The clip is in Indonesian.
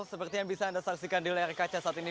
seperti yang bisa anda saksikan di layar kaca saat ini